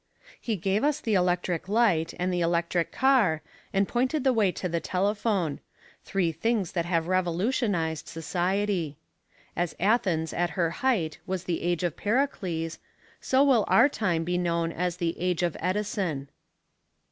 He gave us the electric light and the electric car and pointed the way to the telephone three things that have revolutionized society. As Athens at her height was the Age of Pericles, so will our time be known as the Age of Edison.